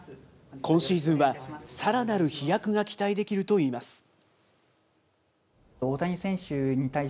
今シーズンはさらなる飛躍が期待できるといいます。